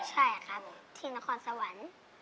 ใช่ครับที่นครสวรรค์